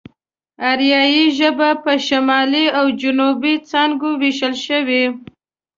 آريايي ژبه په شمالي او جنوبي څانگو وېشل شوې.